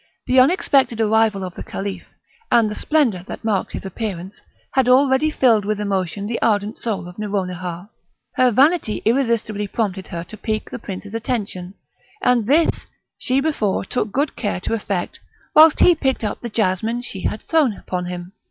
The unexpected arrival of the Caliph, and the splendour that marked his appearance, had already filled with emotion the ardent soul of Nouronihar; her vanity irresistibly prompted her to pique the prince's attention, and this she before took good care to effect whilst he picked up the jasmine she had thrown upon him.